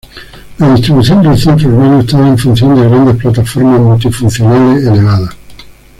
La distribución del centro urbano estaba en función de grandes plataformas multifuncionales elevadas.